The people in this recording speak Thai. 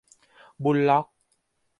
บุลล็อก